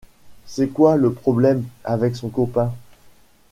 C’est quoi, le problème, avec son copain ?